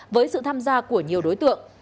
với sự tham gia của nhiều đối tượng